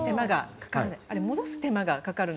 戻す手間がかからない。